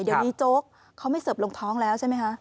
เดี๋ยวนี้โจ๊กเขาไม่เสิร์ฟลงท้องแล้วใช่ไหมคะ